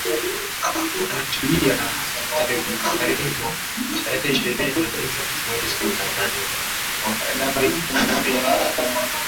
Anatolia Tarimo tarehe ishirini na mbili mwezi wa nane mwaka elfu mbili na mbili